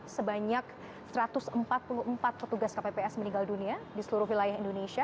sebanyak satu ratus empat puluh empat petugas kpps meninggal dunia di seluruh wilayah indonesia